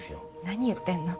何言ってんの？